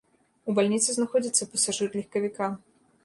У бальніцы знаходзіцца пасажыр легкавіка.